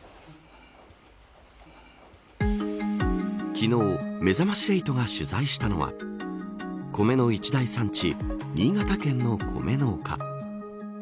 昨日、めざまし８が取材したのはコメの一大産地新潟県の米農家。